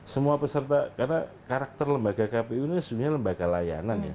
semua peserta karena karakter lembaga kpu ini sebenarnya lembaga layanan ya